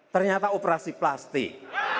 ternyata operasi plastik